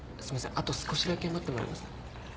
あと少しだけ待ってもらえますか。